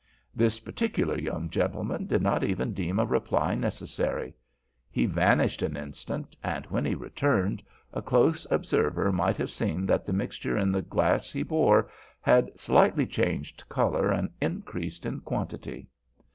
This particular young gentleman did not even deem a reply necessary. He vanished an instant, and when he returned a close observer might have seen that the mixture in the glass he bore had slightly changed color and increased in quantity.